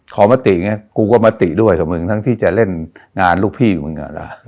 มติไงกูก็มติด้วยกับมึงทั้งที่จะเล่นงานลูกพี่มึงล่ะ